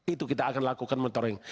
itu kita akan lakukan monitoring